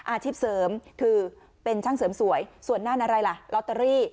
อาชีพเสริมคือเป็นช่างเสริมสวยส่วนนั่นอะไรล่ะลอตเตอรี่